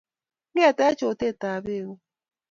ngetech otet tab beko